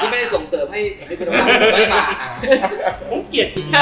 ผมเกลียด